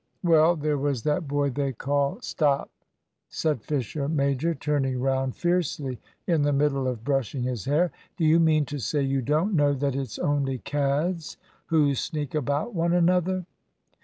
"Well, there was that boy they call " "Stop," said Fisher major, turning round fiercely in the middle of brushing his hair; "do you mean to say you don't know that it's only cads who sneak about one another?"